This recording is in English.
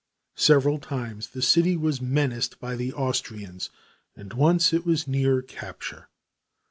Several times the city was menaced by the Austrians and once it was near capture.